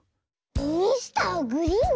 ミスターグリーン⁉